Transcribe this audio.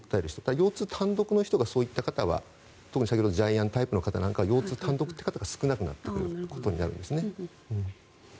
腰痛単独の人がそういった方は特に先ほどのジャイアンタイプの方は腰痛単独という方が少なくなってくることになるんですね。